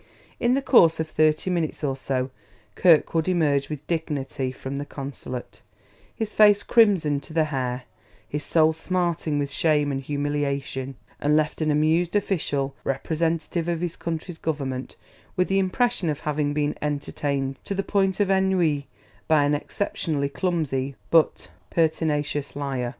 In the course of thirty minutes or so Kirkwood emerged with dignity from the consulate, his face crimson to the hair, his soul smarting with shame and humiliation; and left an amused official representative of his country's government with the impression of having been entertained to the point of ennui by an exceptionally clumsy but pertinacious liar.